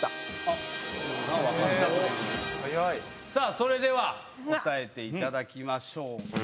それでは答えていただきましょう。